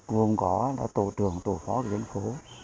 cùng có là tổ trường tổ phó gián phố